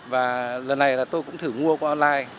và lần này là tôi cũng thử mua online